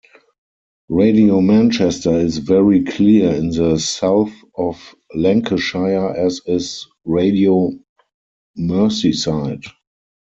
Radio Manchester is very clear in the south of Lancashire as is Radio Merseyside.